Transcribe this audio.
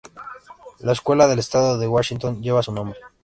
Una escuela del estado de Washington lleva su nombre.